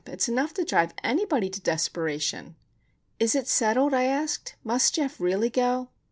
It's enough to drive anybody to desperation!" "Is it settled?" I asked. "Must Geof really go?"